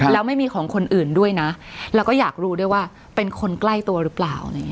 แล้วไม่มีของคนอื่นด้วยนะแล้วก็อยากรู้ด้วยว่าเป็นคนใกล้ตัวหรือเปล่า